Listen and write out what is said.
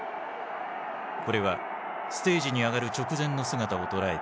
これはステージに上がる直前の姿を捉えた写真。